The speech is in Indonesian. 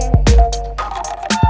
kau mau kemana